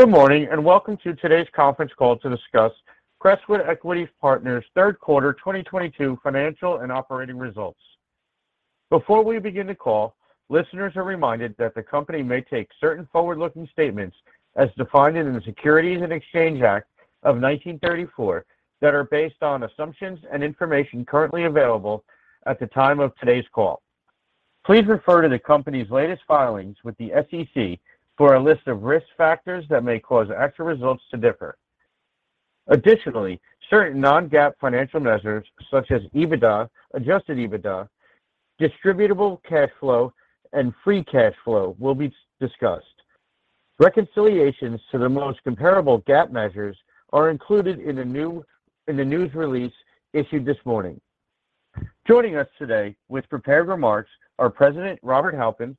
Good morning, and welcome to today's conference call to discuss Crestwood Equity Partners' Q3 2022 financial and operating results. Before we begin the call, listeners are reminded that the company may take certain forward-looking statements as defined in the Securities Exchange Act of 1934 that are based on assumptions and information currently available at the time of today's call. Please refer to the company's latest filings with the SEC for a list of risk factors that may cause actual results to differ. Additionally, certain non-GAAP financial measures such as EBITDA, adjusted EBITDA, distributable cash flow, and free cash flow will be discussed. Reconciliations to the most comparable GAAP measures are included in the news release issued this morning. Joining us today with prepared remarks are President Robert Halpin,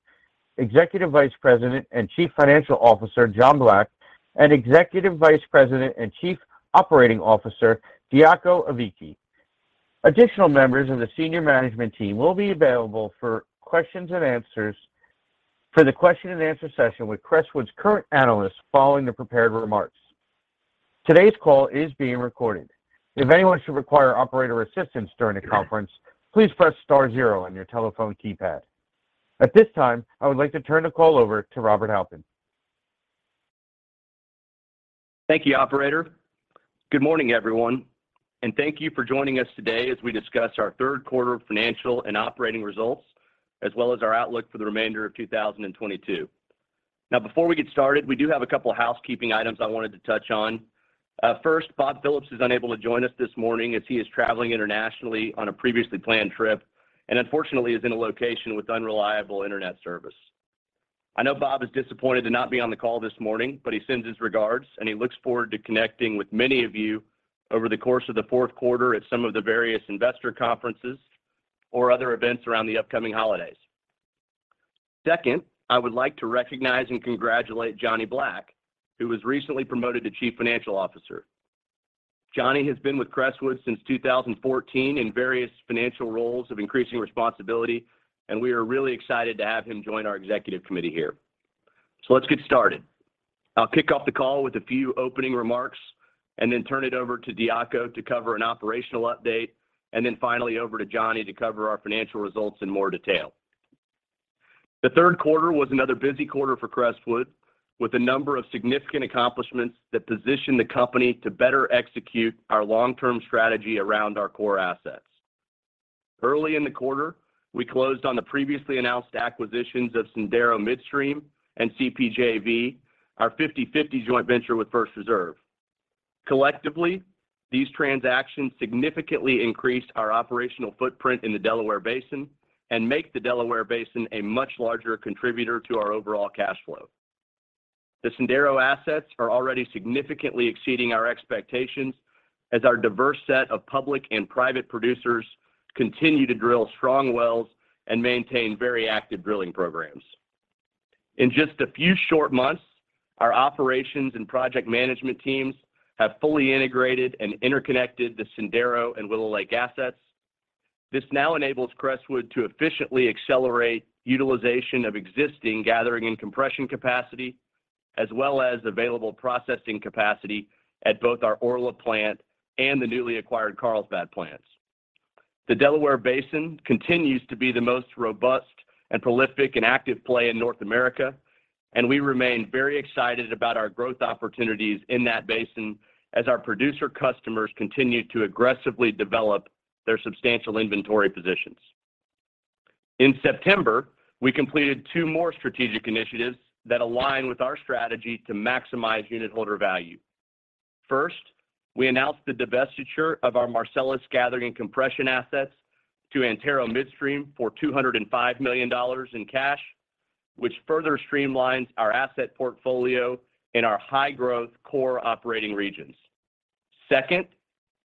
Executive Vice President and Chief Financial Officer John Black, and Executive Vice President and Chief Operating Officer Diaco Aviki. Additional members of the senior management team will be available for questions and answers for the question and answer session with Crestwood's current analysts following the prepared remarks. Today's call is being recorded. If anyone should require operator assistance during the conference, please press star zero on your telephone keypad. At this time, I would like to turn the call over to Robert Halpin. Thank you, operator. Good morning, everyone, and thank you for joining us today as we discuss our Q3 financial and operating results, as well as our outlook for the remainder of 2022. Now, before we get started, we do have a couple of housekeeping items I wanted to touch on. First, Bob Phillips is unable to join us this morning as he is traveling internationally on a previously planned trip, and unfortunately is in a location with unreliable internet service. I know Bob is disappointed to not be on the call this morning, but he sends his regards, and he looks forward to connecting with many of you over the course of the fourth quarter at some of the various investor conferences or other events around the upcoming holidays. Second, I would like to recognize and congratulate John Black, who was recently promoted to Chief Financial Officer. Johnny has been with Crestwood since 2014 in various financial roles of increasing responsibility, and we are really excited to have him join our executive committee here. Let's get started. I'll kick off the call with a few opening remarks and then turn it over to Diaco to cover an operational update, and then finally over to John to cover our financial results in more detail. The Q3 was another busy quarter for Crestwood, with a number of significant accomplishments that position the company to better execute our long-term strategy around our core assets. Early in the quarter, we closed on the previously announced acquisitions of Sendero Midstream and CPJV, our 50/50 joint venture with First Reserve. Collectively, these transactions significantly increased our operational footprint in the Delaware Basin and make the Delaware Basin a much larger contributor to our overall cash flow. The Sendero assets are already significantly exceeding our expectations as our diverse set of public and private producers continue to drill strong wells and maintain very active drilling programs. In just a few short months, our operations and project management teams have fully integrated and interconnected the Sendero and Willow Lake assets. This now enables Crestwood to efficiently accelerate utilization of existing gathering and compression capacity as well as available processing capacity at both our Orla plant and the newly acquired Carlsbad plants. The Delaware Basin continues to be the most robust and prolific and active play in North America, and we remain very excited about our growth opportunities in that basin as our producer customers continue to aggressively develop their substantial inventory positions. In September, we completed two more strategic initiatives that align with our strategy to maximize unitholder value. First, we announced the divestiture of our Marcellus gathering compression assets to Antero Midstream for $205 million in cash, which further streamlines our asset portfolio in our high-growth core operating regions. Second,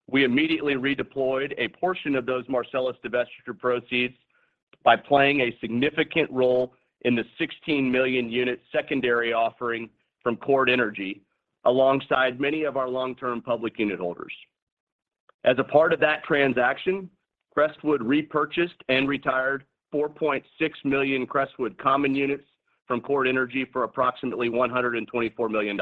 we immediately redeployed a portion of those Marcellus divestiture proceeds by playing a significant role in the 16 million unit secondary offering from Chord Energy alongside many of our long-term public unit holders. As a part of that transaction, Crestwood repurchased and retired 4.6 million Crestwood common units from Chord Energy for approximately $124 million.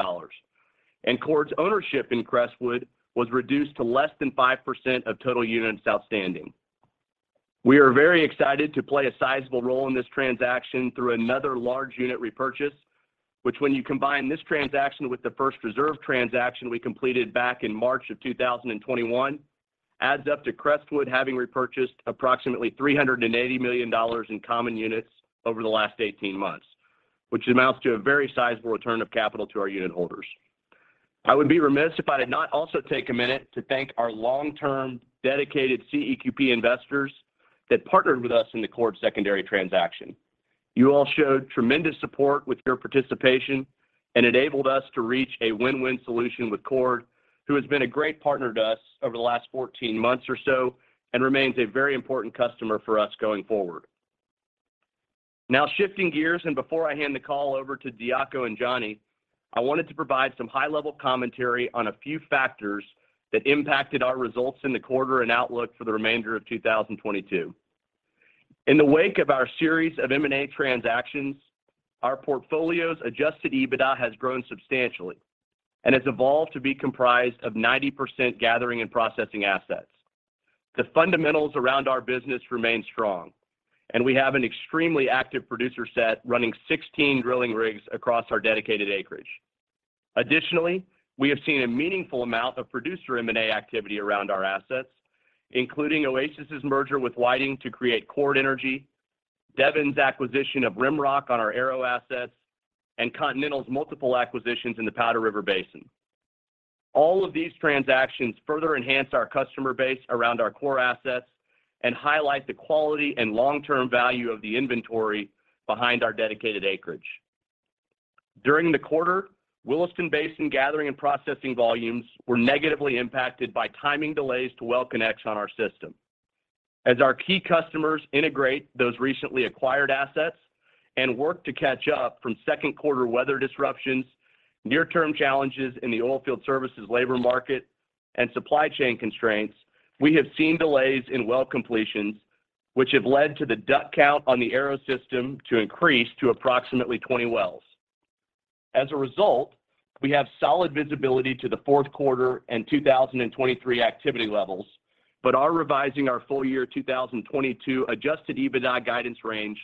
Chord's ownership in Crestwood was reduced to less than 5% of total units outstanding. We are very excited to play a sizable role in this transaction through another large unit repurchase, which when you combine this transaction with the First Reserve transaction we completed back in March 2021, adds up to Crestwood having repurchased approximately $380 million in common units over the last 18 months, which amounts to a very sizable return of capital to our unit holders. I would be remiss if I did not also take a minute to thank our long-term dedicated CEQP investors that partnered with us in the Chord secondary transaction. You all showed tremendous support with your participation and enabled us to reach a win-win solution with Chord, who has been a great partner to us over the last 14 months or so and remains a very important customer for us going forward. Now shifting gears, before I hand the call over to Diaco and Johnny, I wanted to provide some high-level commentary on a few factors that impacted our results in the quarter and outlook for the remainder of 2022. In the wake of our series of M&A transactions, our portfolio's adjusted EBITDA has grown substantially and has evolved to be comprised of 90% gathering and processing assets. The fundamentals around our business remain strong, and we have an extremely active producer set running 16 drilling rigs across our dedicated acreage. Additionally, we have seen a meaningful amount of producer M&A activity around our assets, including Oasis's merger with Whiting to create Chord Energy, Devon's acquisition of Rimrock on our Arrow assets, and Continental's multiple acquisitions in the Powder River Basin. All of these transactions further enhance our customer base around our core assets and highlight the quality and long-term value of the inventory behind our dedicated acreage. During the quarter, Williston Basin gathering and processing volumes were negatively impacted by timing delays to well connects on our system. As our key customers integrate those recently acquired assets and work to catch up from Q2 weather disruptions, near-term challenges in the oilfield services labor market and supply chain constraints, we have seen delays in well completions, which have led to the DUC count on the Arrow system to increase to approximately 20 wells. As a result, we have solid visibility to the Q4 and 2023 activity levels, but are revising our full year 2022 adjusted EBITDA guidance range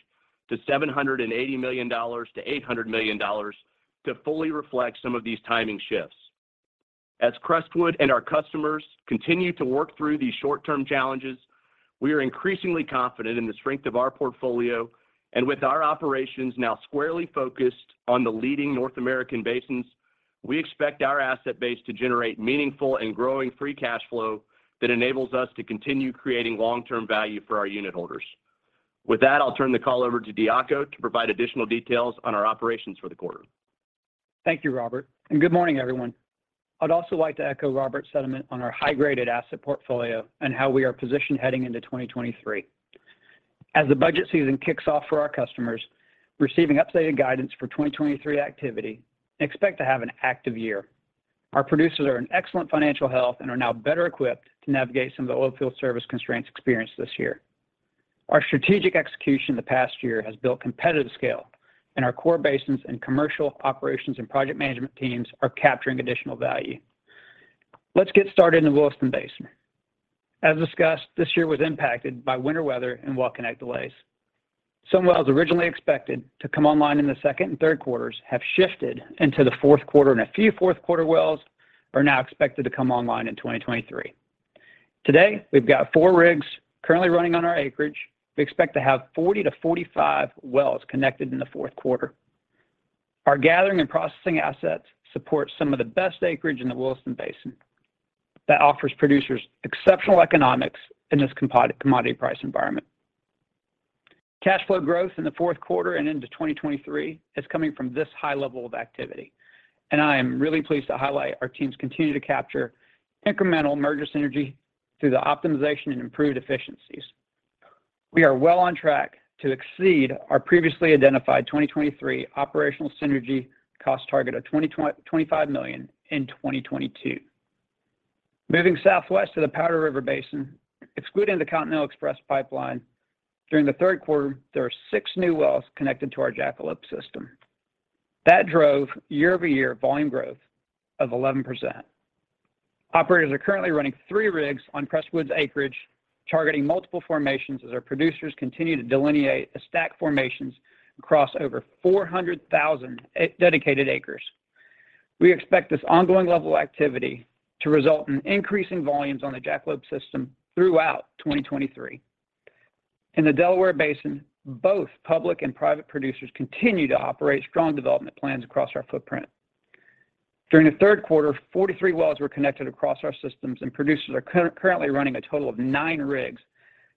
to $780 million-$800 million to fully reflect some of these timing shifts. As Crestwood and our customers continue to work through these short-term challenges, we are increasingly confident in the strength of our portfolio. With our operations now squarely focused on the leading North American Basins, we expect our asset base to generate meaningful and growing free cash flow that enables us to continue creating long-term value for our unitholders. With that, I'll turn the call over to Diaco to provide additional details on our operations for the quarter. Thank you, Robert, and good morning, everyone. I'd also like to echo Robert's sentiment on our high-graded asset portfolio and how we are positioned heading into 2023. As the budget season kicks off for our customers, receiving updated guidance for 2023 activity, expect to have an active year. Our producers are in excellent financial health and are now better equipped to navigate some of the oilfield service constraints experienced this year. Our strategic execution in the past year has built competitive scale, and our core basins and commercial operations and project management teams are capturing additional value. Let's get started in the Williston Basin. As discussed, this year was impacted by winter weather and well connection delays. Some wells originally expected to come online in the second and third quarters have shifted into the fourth quarter, and a few Q4 wells are now expected to come online in 2023. Today, we've got four rigs currently running on our acreage. We expect to have 40-45 wells connected in the Q4. Our gathering and processing assets support some of the best acreage in the Williston Basin that offers producers exceptional economics in this commodity price environment. Cash flow growth in the Q4 and into 2023 is coming from this high level of activity, and I am really pleased to highlight our teams continue to capture incremental merger synergy through the optimization and improved efficiencies. We are well on track to exceed our previously identified 2023 operational synergy cost target of $25 million in 2022. Moving southwest to the Powder River Basin, excluding the Continental Express Pipeline, during the third quarter, there are six new wells connected to our Jackalope system. That drove year-over-year volume growth of 11%. Operators are currently running three rigs on Crestwood's acreage, targeting multiple formations as our producers continue to delineate the stack formations across over 400,000 dedicated acres. We expect this ongoing level of activity to result in increasing volumes on the Jackalope system throughout 2023. In the Delaware Basin, both public and private producers continue to operate strong development plans across our footprint. During the Q3, 43 wells were connected across our systems, and producers are currently running a total of nine rigs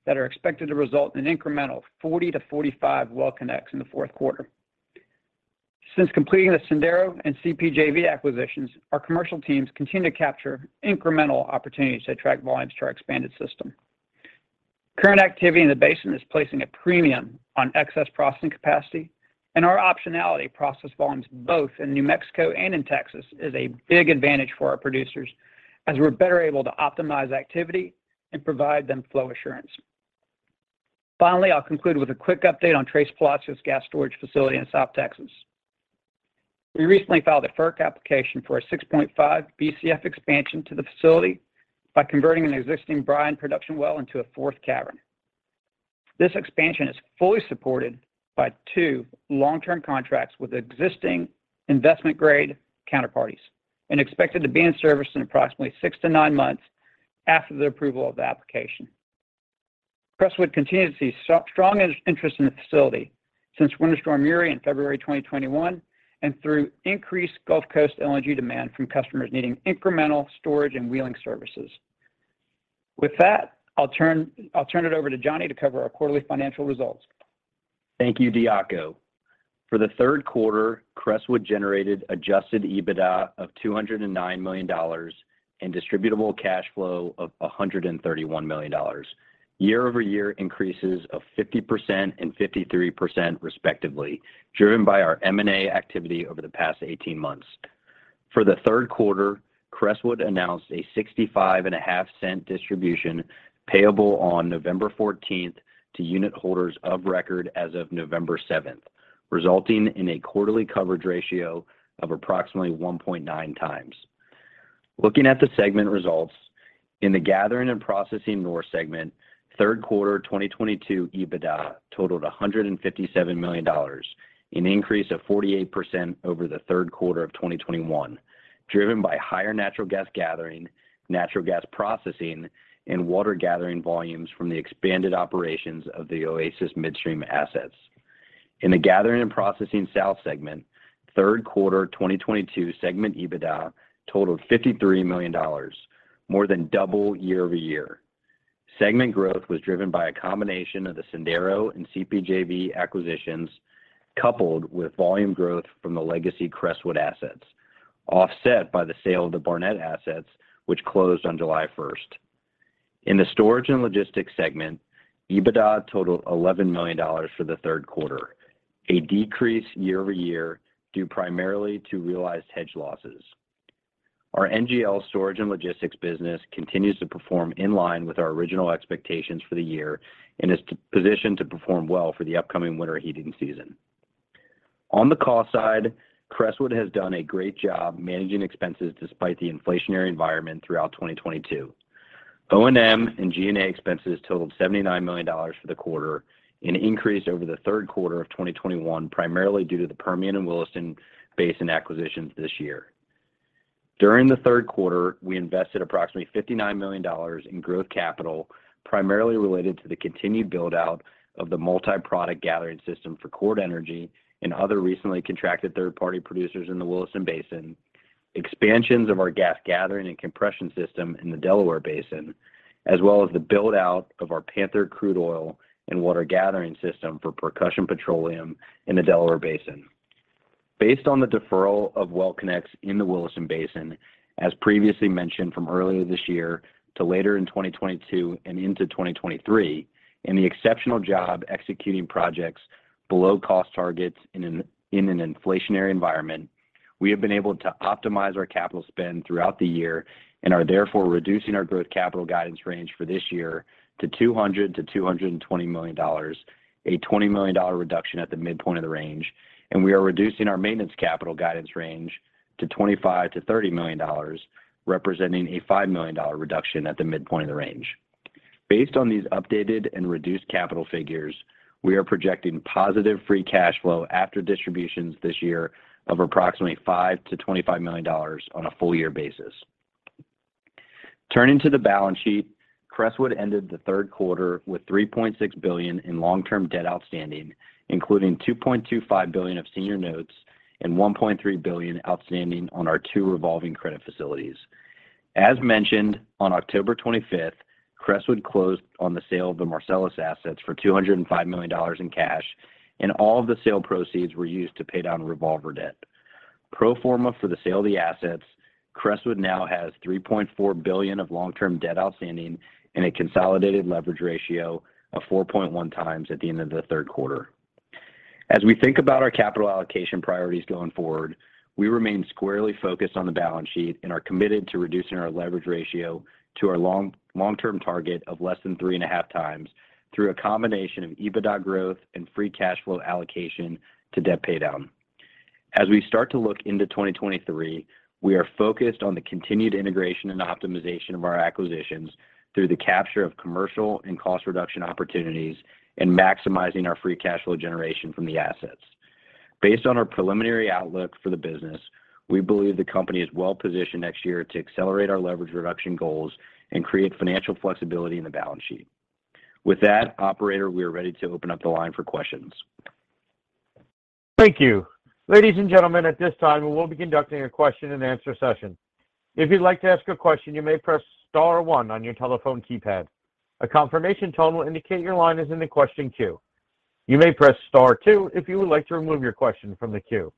that are expected to result in incremental 40-45 well connects in the Q4. Since completing the Sendero and CPJV acquisitions, our commercial teams continue to capture incremental opportunities to attract volumes to our expanded system. Current activity in the basin is placing a premium on excess processing capacity, and our optionality process volumes both in New Mexico and in Texas is a big advantage for our producers as we're better able to optimize activity and provide them flow assurance. Finally, I'll conclude with a quick update on Tres Palacios Gas Storage Facility in South Texas. We recently filed a FERC application for a 6.5 Bcf expansion to the facility by converting an existing brine production well into a fourth cavern. This expansion is fully supported by two long-term contracts with existing investment-grade counterparties and expected to be in service in approximately six-nine months after the approval of the application. Crestwood continues to see strong interest in the facility since Winter Storm Uri in February 2021 and through increased Gulf Coast LNG demand from customers needing incremental storage and wheeling services. With that, I'll turn it over to Johnny to cover our quarterly financial results. Thank you, Diaco. For the Q3, Crestwood generated adjusted EBITDA of $209 million and distributable cash flow of $131 million. Year-over-year increases of 50% and 53% respectively, driven by our M&A activity over the past 18 months. For the Q3, Crestwood announced a $0.655 distribution payable on November 14 to unitholders of record as of November 7, resulting in a quarterly coverage ratio of approximately 1.9x. Looking at the segment results, in the Gathering and Processing North segment, Q3 2022 EBITDA totaled $157 million, an increase of 48% over the Q3 of 2021, driven by higher natural gas gathering, natural gas processing and water gathering volumes from the expanded operations of the Oasis Midstream assets. In the Gathering and Processing South segment, Q3 2022 segment EBITDA totaled $53 million, more than double year-over-year. Segment growth was driven by a combination of the Sendero and CPJV acquisitions, coupled with volume growth from the legacy Crestwood assets, offset by the sale of the Barnett assets which closed on July 1st. In the storage and logistics segment, EBITDA totaled $11 million for the Q3, a decrease year-over-year due primarily to realized hedge losses. Our NGL storage and logistics business continues to perform in line with our original expectations for the year and is positioned to perform well for the upcoming winter heating season. On the cost side, Crestwood has done a great job managing expenses despite the inflationary environment throughout 2022. O&M and G&A expenses totaled $79 million for the quarter, an increase over the Q3 of 2021, primarily due to the Permian and Williston Basin acquisitions this year. During the Q3, we invested approximately $59 million in growth capital, primarily related to the continued build-out of the multi-product gathering system for Chord Energy and other recently contracted third-party producers in the Williston Basin, expansions of our gas gathering and compression system in the Delaware Basin, as well as the build-out of our Panther crude oil and water gathering system for Percussion Petroleum in the Delaware Basin. Based on the deferral of well connects in the Williston Basin, as previously mentioned, from earlier this year to later in 2022 and into 2023, and the exceptional job executing projects below cost targets in an inflationary environment, we have been able to optimize our capital spend throughout the year and are therefore reducing our growth capital guidance range for this year to $200-$220 million, a $20 million reduction at the midpoint of the range. We are reducing our maintenance capital guidance range to $25-$30 million, representing a $5 million reduction at the midpoint of the range. Based on these updated and reduced capital figures, we are projecting positive free cash flow after distributions this year of approximately $5-$25 million on a full year basis. Turning to the balance sheet, Crestwood ended the Q3 with $3.6 billion in long-term debt outstanding, including $2.25 billion of senior notes and $1.3 billion outstanding on our two revolving credit facilities. As mentioned, on October 25, Crestwood closed on the sale of the Marcellus assets for $205 million in cash, and all of the sale proceeds were used to pay down revolver debt. Pro forma for the sale of the assets, Crestwood now has $3.4 billion of long-term debt outstanding and a consolidated leverage ratio of 4.1x at the end of the Q3. As we think about our capital allocation priorities going forward, we remain squarely focused on the balance sheet and are committed to reducing our leverage ratio to our long-term target of less than 3.5x through a combination of EBITDA growth and free cash flow allocation to debt pay down. As we start to look into 2023, we are focused on the continued integration and optimization of our acquisitions through the capture of commercial and cost reduction opportunities and maximizing our free cash flow generation from the assets. Based on our preliminary outlook for the business, we believe the company is well positioned next year to accelerate our leverage reduction goals and create financial flexibility in the balance sheet. With that, operator, we are ready to open up the line for questions. Thank you. Ladies and gentlemen, at this time, we will be conducting a question and answer session. If you'd like to ask a question, you may press star one on your telephone keypad. A confirmation tone will indicate your line is in the question queue. You may press star two if you would like to remove your question from the queue.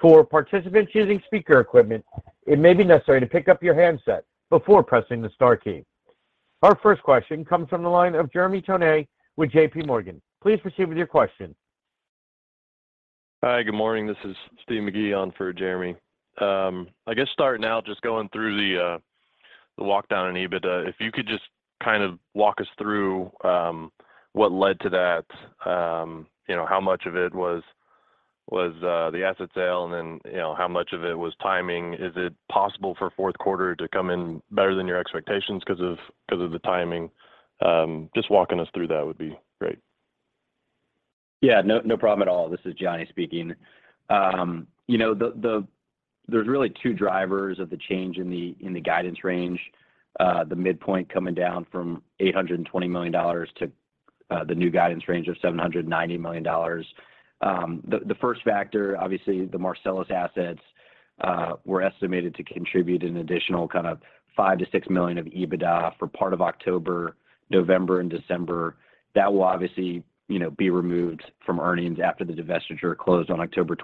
For participants using speaker equipment, it may be necessary to pick up your handset before pressing the star key. Our first question comes from the line of Jeremy Tonet with JP Morgan. Please proceed with your question. Hi, good morning. This is Stephen McGee on for Jeremy. I guess starting out just going through the walk down in EBITDA. If you could just kind of walk us through what led to that. You know, how much of it was the asset sale and then, you know, how much of it was timing. Is it possible for fourth quarter to come in better than your expectations because of the timing? Just walking us through that would be great. Yeah. No, no problem at all. This is Johnny speaking. You know, there's really two drivers of the change in the guidance range. The midpoint coming down from $820 million to the new guidance range of $790 million. The first factor, obviously, the Marcellus assets were estimated to contribute an additional kind of $5 million-$6 million of EBITDA for part of October, November and December. That will obviously, you know, be removed from earnings after the divestiture closed on October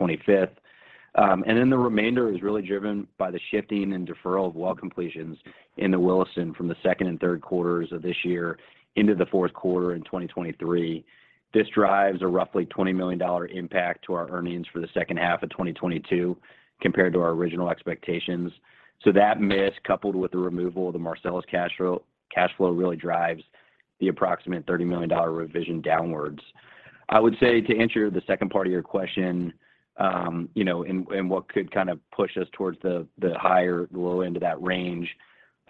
25. The remainder is really driven by the shifting and deferral of well completions in the Williston from the second and third quarters of this year into the fourth quarter in 2023. This drives a roughly $20 million impact to our earnings for the H2 of 2022 compared to our original expectations. That miss, coupled with the removal of the Marcellus cash flow really drives the approximate $30 million revision downwards. I would say to answer the second part of your question, you know, and what could kind of push us towards the higher end, the low end of that range.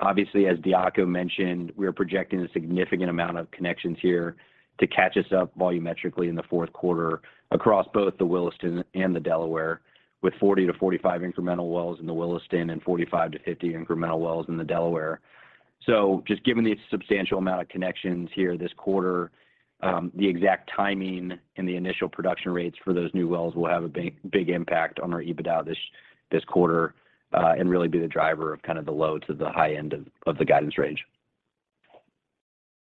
Obviously, as Diaco mentioned, we are projecting a significant amount of connections here to catch us up volumetrically in the Q4 across both the Williston and the Delaware, with 40-45 incremental wells in the Williston and 45-50 incremental wells in the Delaware. Just given the substantial amount of connections here this quarter, the exact timing and the initial production rates for those new wells will have a big impact on our EBITDA this quarter, and really be the driver of kind of the low to the high end of the guidance range.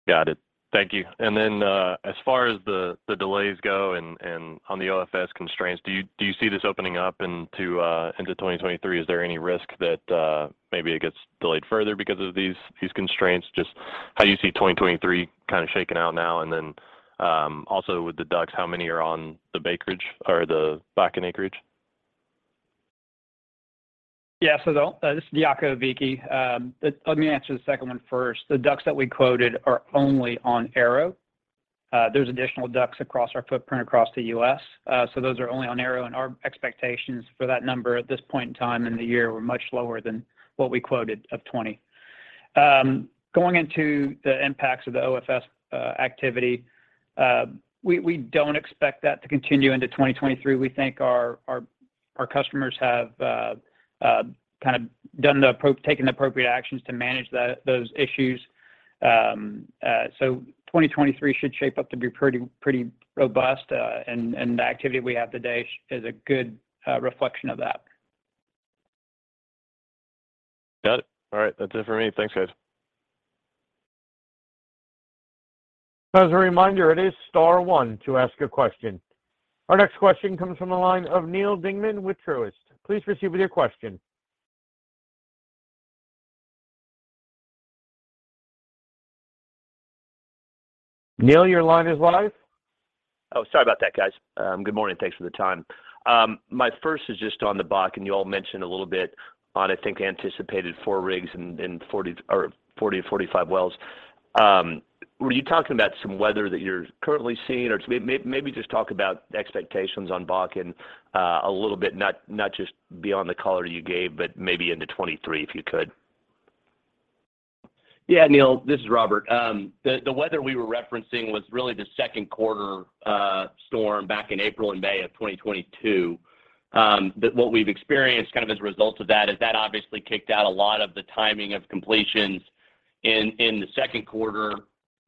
Got it. Thank you. As far as the delays go and on the OFS constraints, do you see this opening up into 2023? Is there any risk that maybe it gets delayed further because of these constraints? Just how you see 2023 kinda shaking out now. Also with the DUCs, how many are on the acreage or the Bakken acreage? Yeah. This is Diaco Aviki. Let me answer the second one first. The DUCs that we quoted are only on Arrow. There's additional DUCs across our footprint across the U.S. Those are only on Arrow, and our expectations for that number at this point in time in the year were much lower than what we quoted of 20. Going into the impacts of the OFS activity, we don't expect that to continue into 2023. We think our customers have kind of taken the appropriate actions to manage those issues. 2023 should shape up to be pretty robust, and the activity we have today is a good reflection of that. Got it. All right. That's it for me. Thanks, guys. As a reminder, it is star one to ask a question. Our next question comes from the line of Neal Dingmann with Truist. Please proceed with your question. Neal, your line is live. Oh, sorry about that, guys. Good morning. Thanks for the time. My first is just on the Bakken. You all mentioned a little bit on, I think, anticipated four rigs and 40-45 wells. Were you talking about some weather that you're currently seeing? Or maybe just talk about expectations on Bakken, a little bit, not just beyond the color you gave, but maybe into 2023, if you could. Yeah. Neal, this is Robert. The weather we were referencing was really the Q2 storm back in April and May of 2022. What we've experienced kind of as a result of that is that obviously kicked out a lot of the timing of completions in the Q2,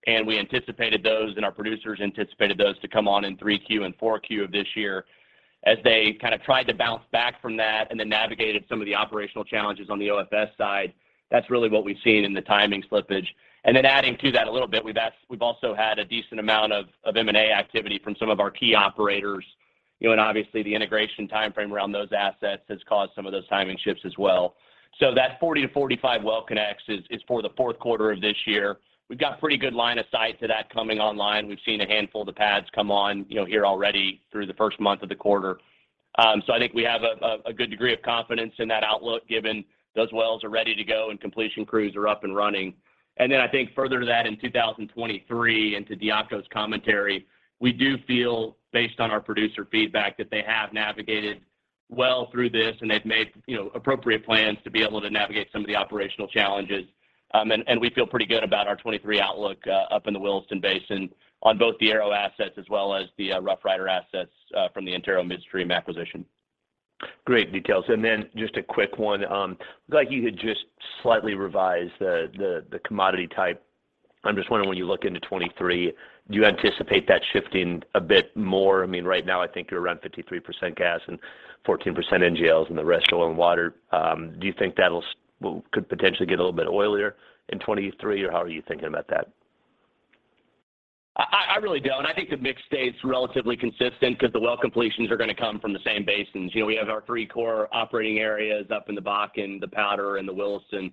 and we anticipated those, and our producers anticipated those to come on in Q3 and Q4 of this year. As they kinda tried to bounce back from that and then navigated some of the operational challenges on the OFS side, that's really what we've seen in the timing slippage. Adding to that a little bit, we've also had a decent amount of M&A activity from some of our key operators, you know, and obviously the integration timeframe around those assets has caused some of those timing shifts as well. That 40-45 well connects is for the Q4 of this year. We've got pretty good line of sight to that coming online. We've seen a handful of the pads come on, you know, here already through the first month of the quarter. I think we have a good degree of confidence in that outlook given those wells are ready to go and completion crews are up and running. I think further to that in 2023, and to Diaco's commentary, we do feel, based on our producer feedback, that they have navigated well through this and they've made, you know, appropriate plans to be able to navigate some of the operational challenges. We feel pretty good about our 2023 outlook, up in the Williston Basin on both the Arrow assets as well as the Rough Rider assets from the Antero Midstream acquisition. Great details. Just a quick one. Like you had just slightly revised the commodity type. I'm just wondering, when you look into 2023, do you anticipate that shifting a bit more? I mean, right now I think you're around 53% gas and 14% NGLs and the rest oil and water. Do you think that could potentially get a little bit oilier in 2023, or how are you thinking about that? I really don't. I think the mix stays relatively consistent 'cause the well completions are gonna come from the same basins. You know, we have our three core operating areas up in the Bakken, the Powder, and the Williston.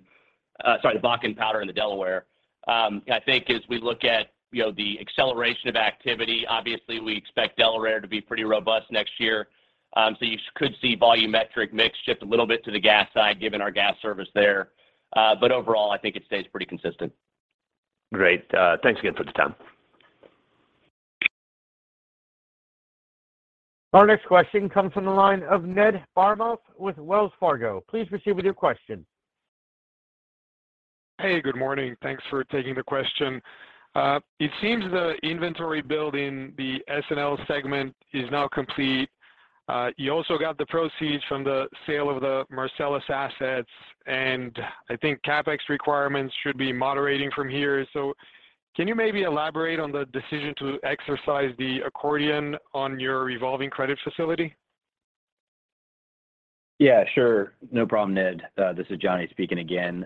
Sorry, the Bakken, Powder, and the Delaware. I think as we look at, you know, the acceleration of activity, obviously we expect Delaware to be pretty robust next year. So you could see volumetric mix shift a little bit to the gas side given our gas service there. But overall, I think it stays pretty consistent. Great. Thanks again for the time. Our next question comes from the line of Ned Baramov with Wells Fargo. Please proceed with your question. Hey, good morning. Thanks for taking the question. It seems the inventory build in the S&L segment is now complete. You also got the proceeds from the sale of the Marcellus assets, and I think CapEx requirements should be moderating from here. Can you maybe elaborate on the decision to exercise the accordion on your revolving credit facility? Yeah, sure. No problem, Ned. This is Johnny speaking again.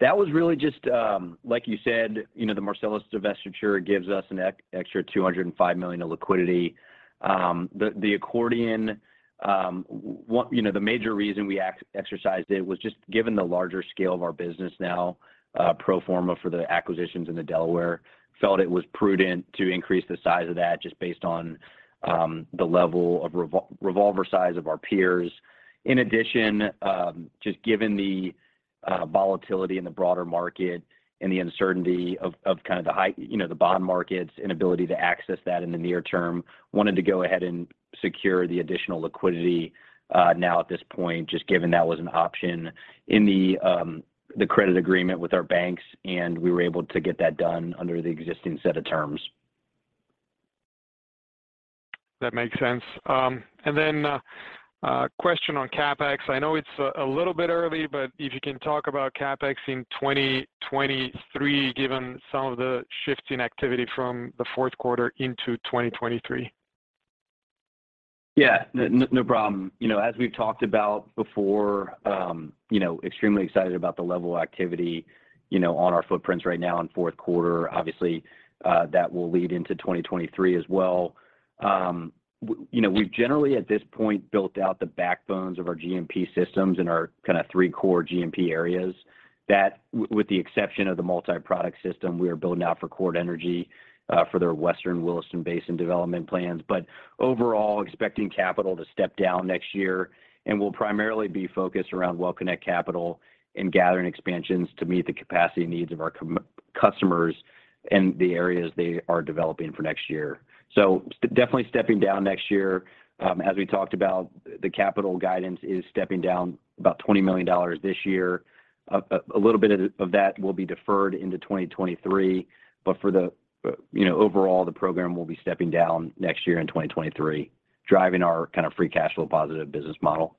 That was really just, like you said, you know, the Marcellus divestiture gives us an extra $205 million of liquidity. The accordion, you know, the major reason we exercised it was just given the larger scale of our business now, pro forma for the acquisitions in the Delaware, felt it was prudent to increase the size of that just based on, the level of revolver size of our peers. In addition, just given the volatility in the broader market and the uncertainty of kind of the high, you know, the bond market's inability to access that in the near term, wanted to go ahead and secure the additional liquidity now at this point, just given that was an option in the credit agreement with our banks, and we were able to get that done under the existing set of terms. That makes sense. A question on CapEx. I know it's a little bit early, but if you can talk about CapEx in 2023, given some of the shift in activity from the Q4 into 2023? Yeah. No problem. You know, as we've talked about before, you know, extremely excited about the level of activity, you know, on our footprints right now in Q4. Obviously, that will lead into 2023 as well. You know, we've generally, at this point, built out the backbones of our GMP systems in our kind of three core GMP areas, that with the exception of the multi-product system we are building out for Chord Energy, for their Western Williston Basin development plans. Overall, expecting capital to step down next year, and we'll primarily be focused around well connections capital and gathering expansions to meet the capacity needs of our customers and the areas they are developing for next year. Definitely stepping down next year. As we talked about, the capital guidance is stepping down about $20 million this year. A little bit of that will be deferred into 2023. You know, overall the program will be stepping down next year in 2023, driving our kind of free cash flow positive business model.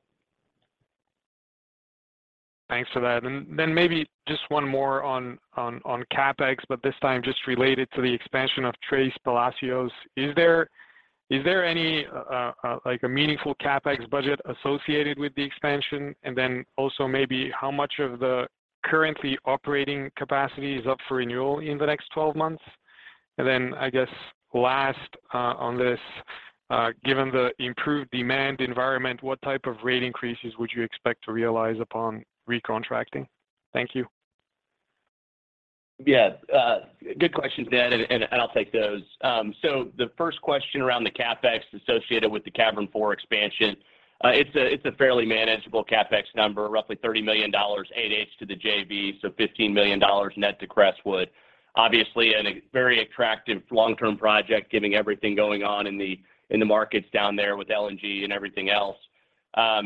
Thanks for that. Maybe just one more on CapEx, but this time just related to the expansion of Tres Palacios. Is there any like a meaningful CapEx budget associated with the expansion? Also maybe how much of the currently operating capacity is up for renewal in the next 12 months? I guess last on this, given the improved demand environment, what type of rate increases would you expect to realize upon recontracting? Thank you. Yeah. Good questions, Ned, and I'll take those. So the first question around the CapEx associated with the Cavern Four expansion, it's a fairly manageable CapEx number, roughly $30 million 50% to the JV, so $15 million net to Crestwood. Obviously, a very attractive long-term project given everything going on in the markets down there with LNG and everything else.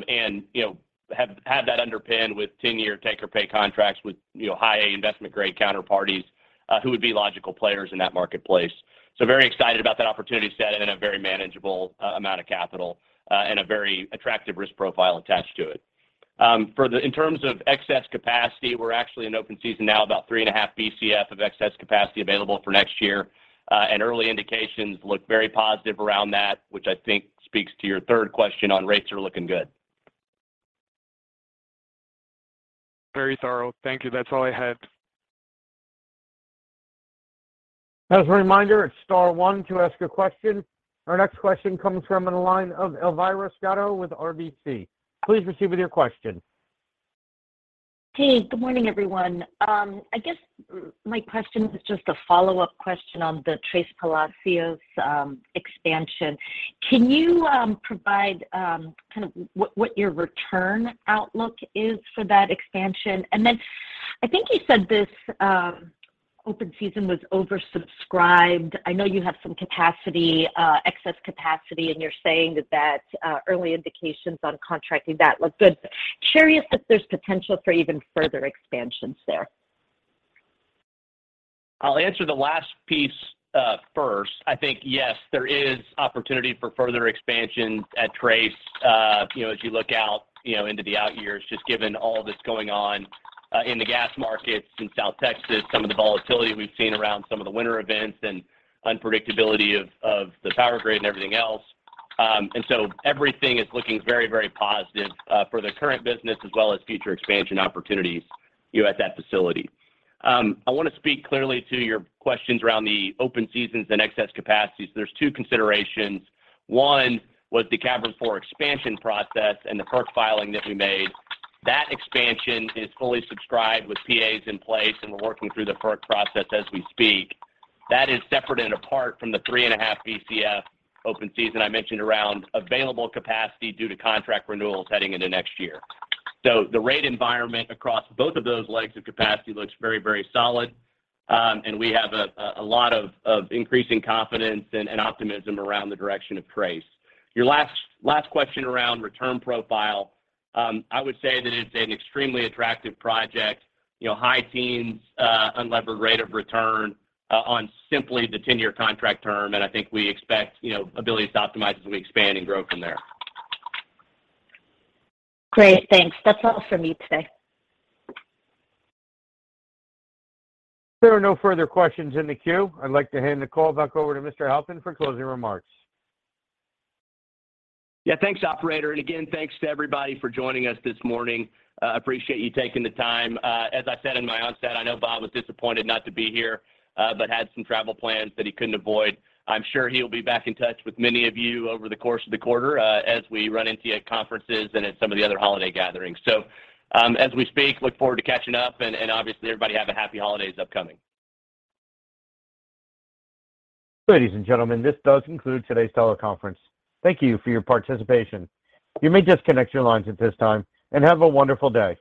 You know, that underpinned with 10-year take-or-pay contracts with, you know, high-investment-grade counterparties, who would be logical players in that marketplace. Very excited about that opportunity set and a very manageable amount of capital, and a very attractive risk profile attached to it. In terms of excess capacity, we're actually in open season now, about 3.5 Bcf of excess capacity available for next year. Early indications look very positive around that, which I think speaks to your third question on rates, are looking good. Very thorough. Thank you. That's all I had. As a reminder, star one to ask a question. Our next question comes from the line of Elvira Scotto with RBC. Please proceed with your question. Hey, good morning, everyone. I guess my question is just a follow-up question on the Tres Palacios expansion. Can you provide kind of what your return outlook is for that expansion? I think you said this open season was oversubscribed. I know you have some capacity, excess capacity, and you're saying that early indications on contracting that look good. Share with us if there's potential for even further expansions there. I'll answer the last piece first. I think, yes, there is opportunity for further expansion at Tres. You know, as you look out, you know, into the outyears, just given all that's going on in the gas markets in South Texas, some of the volatility we've seen around some of the winter events and unpredictability of the power grid and everything else. Everything is looking very, very positive for the current business as well as future expansion opportunities, you know, at that facility. I wanna speak clearly to your questions around the open seasons and excess capacity. There's two considerations. One was the Cavern Four expansion process and the FERC filing that we made. That expansion is fully subscribed with PAs in place, and we're working through the FERC process as we speak. That is separate and apart from the 3.5 Bcf open season I mentioned around available capacity due to contract renewals heading into next year. The rate environment across both of those legs of capacity looks very, very solid. We have a lot of increasing confidence and optimism around the direction of Tres. Your last question around return profile, I would say that it is an extremely attractive project. You know, high teens unlevered rate of return on simply the 10-year contract term. I think we expect, you know, ability to optimize as we expand and grow from there. Great. Thanks. That's all for me today. There are no further questions in the queue. I'd like to hand the call back over to Mr. Halpin for closing remarks. Yeah. Thanks, operator. Again, thanks to everybody for joining us this morning. Appreciate you taking the time. As I said in my opening, I know Bob was disappointed not to be here, but had some travel plans that he couldn't avoid. I'm sure he'll be back in touch with many of you over the course of the quarter, as we run into you at conferences and at some of the other holiday gatherings. As we speak, look forward to catching up and obviously everybody have a happy holidays upcoming. Ladies and gentlemen, this does conclude today's teleconference. Thank you for your participation. You may disconnect your lines at this time, and have a wonderful day.